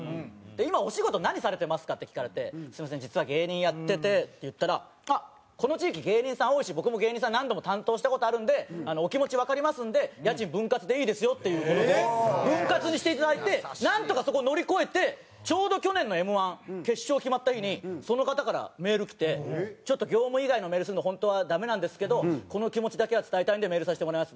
「今お仕事何されてますか？」って聞かれて「すみません実は芸人やってて」って言ったら「あっこの地域芸人さん多いし僕も芸人さん何度も担当した事あるんでお気持ちわかりますんで家賃分割でいいですよ」っていう事で分割にしていただいてなんとかそこを乗り越えてちょうど去年のＭ−１決勝決まった日にその方からメールきて「ちょっと業務以外のメールするの本当はダメなんですけどこの気持ちだけは伝えたいんでメールさせてもらいます。